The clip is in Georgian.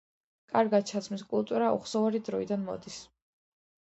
კარგად ჩაცმის კულტურა უხსოვარი დროიდან მოდის.